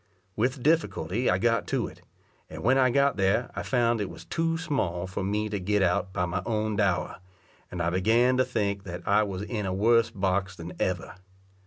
With difficulty I got to it, and when I got there, I found it was too small for me to get out by my own dower, and I began to think that I was in a worse box than ever.